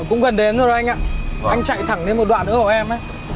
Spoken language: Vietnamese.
cũng gần đến rồi anh ạ anh chạy thẳng lên một đoạn nữa của em ấy